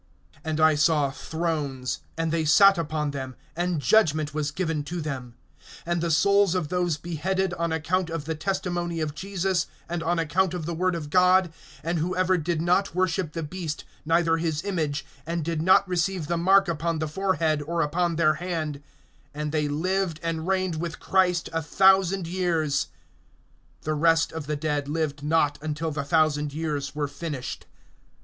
(4)And I saw thrones, and they sat upon them, and judgment was given to them; and the souls of those beheaded on account of the testimony of Jesus, and on account of the word of God, and whoever did not worship the beast, neither his image, and did not receive the mark upon the forehead, or upon their hand; and they lived and reigned with Christ a thousand years. (5)The rest of the dead lived not until the thousand years were finished.